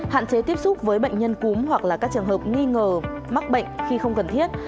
hạn chế tiếp xúc với bệnh nhân cúm hoặc là các trường hợp nghi ngờ mắc bệnh khi không cần thiết